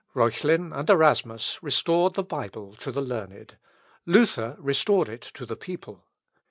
Reuchlin and Erasmus restored the Bible to the learned; Luther restored it to the people.